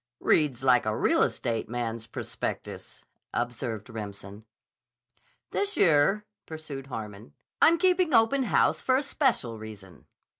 "Reads like a real estate man's prospectus," observed Remsen. "This year," pursued Harmon, "I'm keeping open house for a special reason.